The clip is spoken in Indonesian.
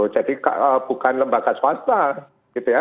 jadi bukan lembaga swasta